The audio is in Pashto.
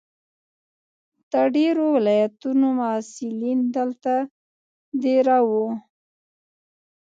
د ډېرو ولایتونو محصلین دلته دېره وو.